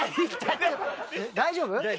大丈夫？